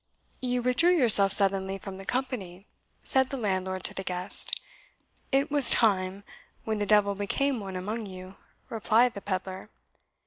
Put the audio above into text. "You withdrew yourself suddenly from the company," said the landlord to the guest. "It was time, when the devil became one among you," replied the pedlar.